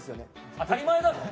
当たり前だろ！